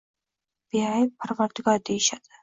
Beayb parvardigor deyishadi